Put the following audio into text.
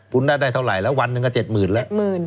คุณได้ได้เท่าไหร่แล้ววันหนึ่งก็เจ็ดหมื่นแล้วเจ็ดหมื่น